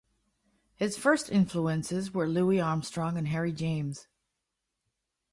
His first influences were Louis Armstrong and Harry James.